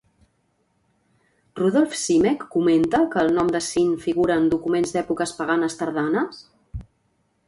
Rudolf Simek comenta que el nom de Syn figura en documents d'èpoques paganes tardanes?